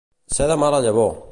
Ser de mala llavor.